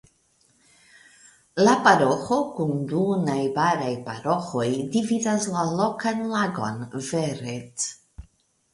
La paroĥo kun du najbaraj paroĥoj dividas la lokan lagon Verret.